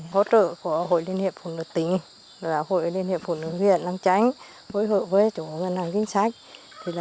hỗ trợ của hội liên hiệp phụ nữ tính hội liên hiệp phụ nữ viện lang chánh phối hợp với chủ ngân hàng chính sách